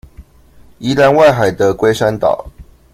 宜蘭外海的龜山島